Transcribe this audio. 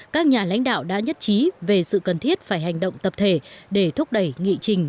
các nhà lãnh đạo đã nhất trí về sự cần thiết phải hành động tập thể để thúc đẩy nghị trình